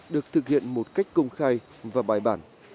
được thực hiện một cách công khai và bài bản